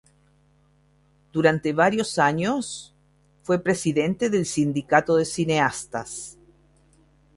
Durante varios años fue presidente del Sindicato de Cineastas.